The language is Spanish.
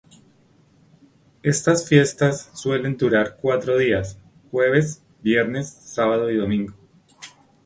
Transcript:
Estas fiestas suelen durar cuatro días: Jueves, viernes, sábado y domingo.